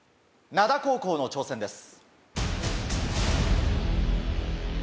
灘高校の挑戦です。